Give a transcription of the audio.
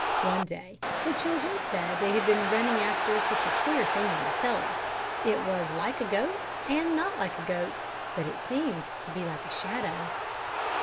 "One day the children said they had been running after 'such a queer thing in the cellar; it was like a goat, and not like a goat, but it seemed to be like a shadow.'"